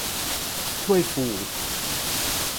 ถ้วยฟู